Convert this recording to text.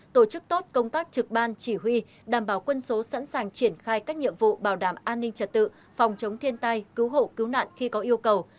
tổ chức tốt công tác trực ban chỉ huy đảm bảo quân số sẵn sàng triển khai các nhiệm vụ bảo đảm an ninh trật tự phòng chống thiên tai cứu hộ cứu nạn khi có yêu cầu